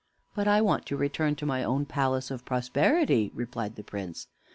"But I want to return to my own palace of Prosperity," replied the Prince.